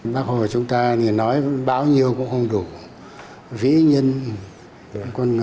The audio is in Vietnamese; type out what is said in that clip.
bác hồ chúng ta nói bao nhiêu cũng không đủ vĩ nhân con người